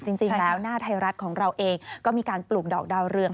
จริงแล้วหน้าไทยรัฐของเราเองก็มีการปลูกดอกดาวเรือง